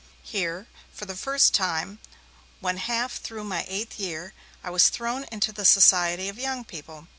Here, for the first time, when half through my eighth year, I was thrown into the society of young people.